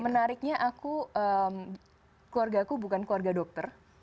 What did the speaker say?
menariknya aku keluarga aku bukan keluarga dokter